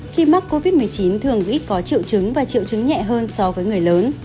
khi mắc covid một mươi chín thường ít có triệu chứng và triệu chứng nhẹ hơn so với người lớn